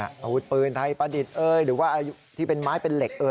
อาวุธปืนไทยประดิษฐ์หรือว่าที่เป็นไม้เป็นเหล็ก